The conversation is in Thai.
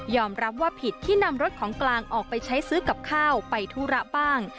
รับว่าผิดที่นำรถของกลางออกไปใช้ซื้อกับข้าวไปธุระบ้าง